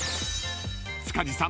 ［塚地さん